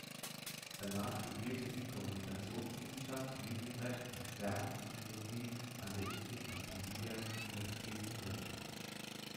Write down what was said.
Danach studierte sie Kommunikationswissenschaft, Medienrecht und Werbepsychologie an der Ludwig-Maximilians-Universität in München.